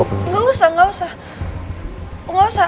enggak usah enggak usah